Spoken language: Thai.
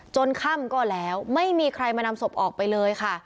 ค่ำก็แล้วไม่มีใครมานำศพออกไปเลยค่ะ